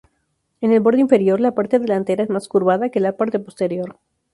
En el borde inferior, la parte delantera es más curvada que la parte posterior.